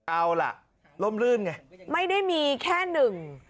เอาล่ะร่มรื่นไงไม่ได้มีแค่หนึ่ง